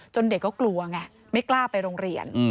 เด็กก็กลัวไงไม่กล้าไปโรงเรียน